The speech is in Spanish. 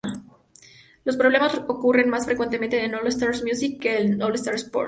Los problemas ocurren más frecuentemente en All-Star Music que en All-Star Sports.